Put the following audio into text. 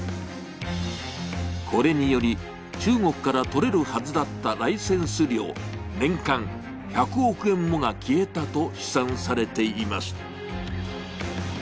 これにより、中国から取れるはずだったライセンス料、年間１００億円もが消えたと試算されています。